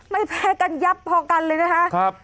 ไม่แพ้กันยับพอกันเลยนะคะ